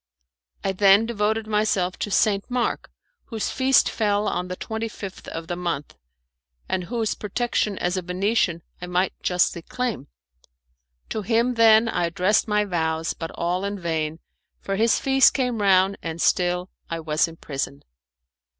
I then devoted myself to St. Mark, whose feast fell on the twenty fifth of the month, and whose protection as a Venetian I might justly claim. To him, then, I addressed my vows, but all in vain, for his feast came round and still I was in prison.